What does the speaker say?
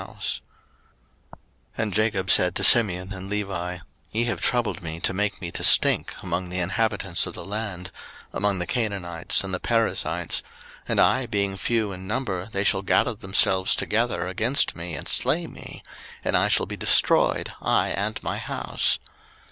01:034:030 And Jacob said to Simeon and Levi, Ye have troubled me to make me to stink among the inhabitants of the land, among the Canaanites and the Perizzites: and I being few in number, they shall gather themselves together against me, and slay me; and I shall be destroyed, I and my house.